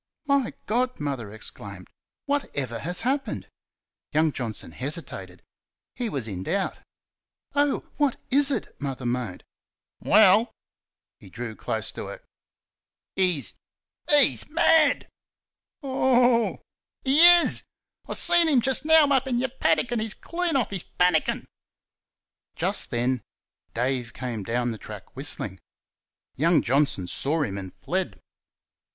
"My God!" Mother exclaimed "WHATEVER has happened?" Young Johnson hesitated. He was in doubt. "Oh! What IS it?" Mother moaned. "Well" (he drew close to her) "he's he's MAD!" "OH H!" "He IS. I seen 'im just now up in your paddick, an' he's clean off he's pannikin." Just then Dave came down the track whistling. Young Johnson saw him and fled.